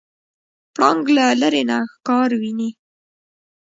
پړانګ له لرې نه ښکار ویني.